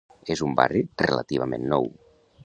És un barri relativament nou.